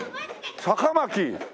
「さかまき」。